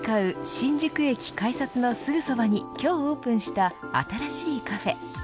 新宿駅改札のすぐそばに今日オープンした新しいカフェ。